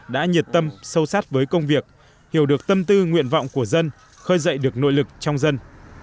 đã nhiệt tâm sâu sát với công việc hiểu được tâm tư nguyện vọng của dân khơi dậy được nội lực trong dân